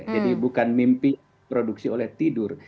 jadi bukan mimpi produksi oleh tidur